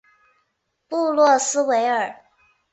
布洛斯维尔。